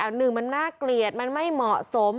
หนึ่งมันน่าเกลียดมันไม่เหมาะสม